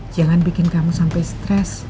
jangan bikin kamu sampai stres